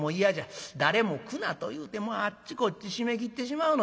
誰も来なというてあっちこっち閉めきってしまうのじゃ」。